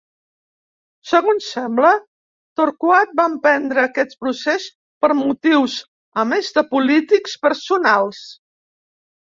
Segons sembla, Torquat va emprendre aquest procés per motius, a més de polítics, personals.